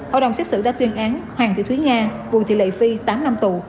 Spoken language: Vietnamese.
hội đồng xét xử đã tuyên án hoàng thị thúy nga bùi thị lệ phi tám năm tù